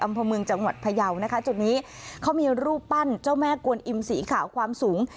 อำเภอเมืองจังหวัดพยาวนะคะจุดนี้เขามีรูปปั้นเจ้าแม่กวนอิมสีขาวความสูง